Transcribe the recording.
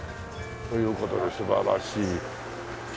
という事で素晴らしい。